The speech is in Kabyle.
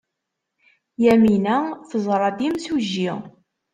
Yamina teẓra-d imsujji.